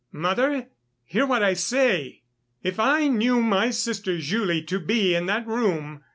"Mother, hear what I say; if I knew my sister Julie to be in that room